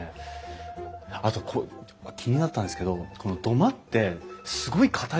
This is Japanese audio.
あと気になったんですけどこの土間ってすごい固いじゃないですか。